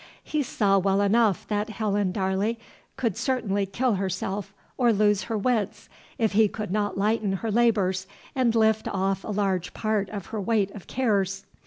He saw well enough that Helen Darley would certainly kill herself or lose her wits, if he could not lighten her labors and lift off a large part of her weight of cares.